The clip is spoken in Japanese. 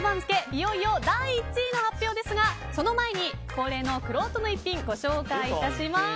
いよいよ第１位の発表ですがその前に恒例のくろうとの逸品をご紹介いたします。